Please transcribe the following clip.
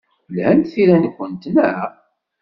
Lhant tira-nwent, naɣ?